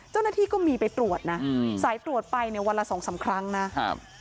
เจ้าหน้าที่ก็มีไปตรวจนะอืมสายตรวจไปเนี่ยวันละสองสามครั้งนะครับ